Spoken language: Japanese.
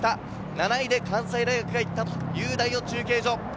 ７位で関西大学が行った、第４中継所。